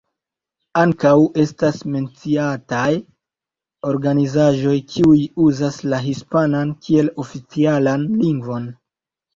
Ankaŭ estas menciataj organizaĵoj kiuj uzas la hispanan kiel oficialan lingvon.